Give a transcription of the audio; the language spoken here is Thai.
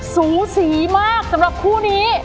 สูสีมากสำหรับคู่นี้